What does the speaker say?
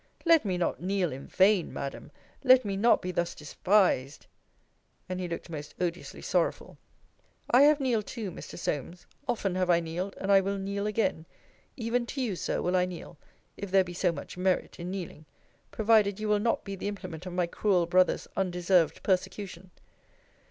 Let me not kneel in vain, Madam: let me not be thus despised. And he looked most odiously sorrowful. I have kneeled too, Mr. Solmes: often have I kneeled: and I will kneel again even to you, Sir, will I kneel, if there be so much merit in kneeling; provided you will not be the implement of my cruel brother's undeserved persecution.